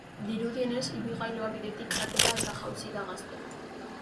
Dirudienez, ibilgailua bidetik atera eta jausi da gaztea.